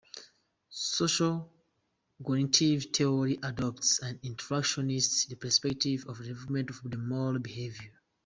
Social cognitive theory adopts an "interactionist" perspective to the development of moral behavior.